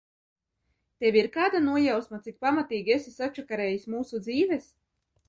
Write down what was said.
Tev ir kāda nojausma, cik pamatīgi esi sačakarējis mūsu dzīves?